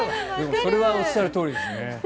それは本当におっしゃるとおりですね。